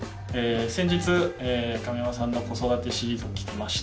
「先日亀山さんの子育てシリーズを聞きました。